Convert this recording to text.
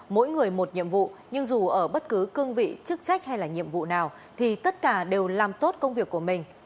mỗi người một nhiệm vụ nhưng dù ở bất cứ cương vị chức trách hay là nhiệm vụ nào thì tất cả đều làm tốt công việc của mình